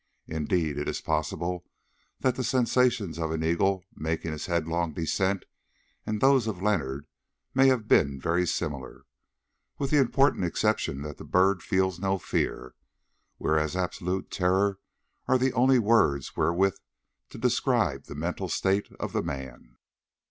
Indeed it is possible that the sensations of an eagle making his headlong descent and those of Leonard may have been very similar, with the important exception that the bird feels no fear, whereas absolute terror are the only words wherewith to describe the mental state of the man.